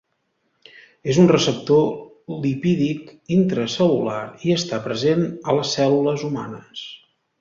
És un receptor lipídic intracel·lular i està present a les cèl·lules humanes.